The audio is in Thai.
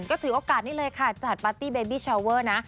ก็ถือโอกาสนี้เลยค่ะจัดปาร์ตี้เบบี้ชาวเวอร์นะ